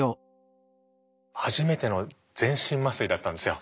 初めての全身麻酔だったんですよ。